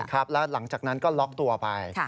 ครับแล้วหลังจากนั้นก็ล็อกตัวไป